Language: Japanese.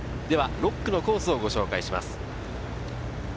では６区のコースをご紹介します。